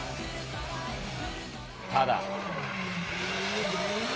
ただ。